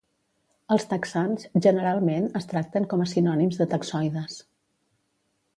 Els taxans generalment es tracten com a sinònims de taxoides.